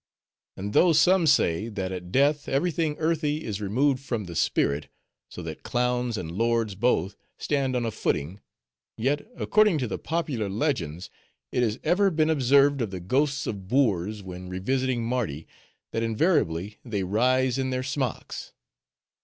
And though some say, that at death every thing earthy is removed from the spirit, so that clowns and lords both stand on a footing; yet, according to the popular legends, it has ever been observed of the ghosts of boors when revisiting Mardi, that invariably they rise in their smocks.